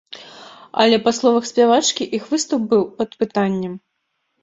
Але, па словах спявачкі, іх выступ быў пад пытаннем.